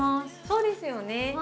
そうですよね。